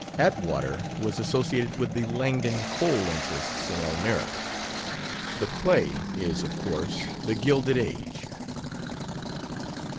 "Atwater" was associated with the Langdon coal interests in Elmira. "The play" is, of course, "The Gilded Age."